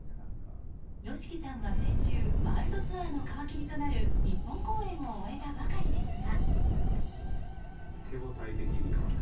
ＹＯＳＨＩＫＩさんは先週ワールドツアーの皮切りとなる日本公演を終えたばかりですが。